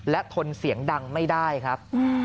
และทนเสียงดังไม่ได้ครับ